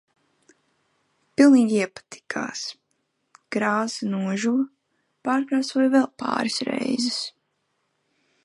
Pilnīgi iepatikās. Krāsa nožuva, pārkrāsoju vēl pāris reizes.